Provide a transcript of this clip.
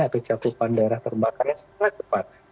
atau cakupan daerah terbakarnya sangat cepat